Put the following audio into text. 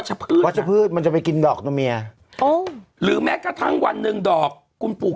แต่ที่เขาบอกขายกันได้กิโลละสามสี่หมื่นมันคืออะไรลูกมคะลูก